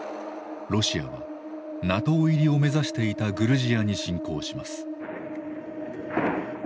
ロシアはＮＡＴＯ入りを目指していたグルジアに侵攻します。